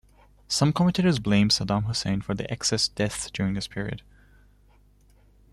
Some commentators blame Saddam Hussein for the excess deaths during this period.